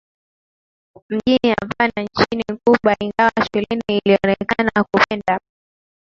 Mjini Havana nchini Cuba ingawa shuleni alionekana kupenda